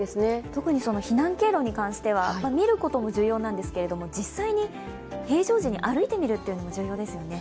特に避難経路に関しては見ることも重要なんですけど実際に平常時に歩いてみるというのも重要ですよね。